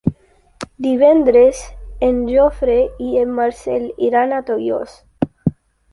Divendres en Jofre i en Marcel iran a Tollos.